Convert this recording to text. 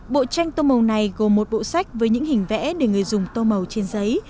bộ tranh tô màu này gồm một bộ sách với những hình vẽ để người dùng tô màu trên giấy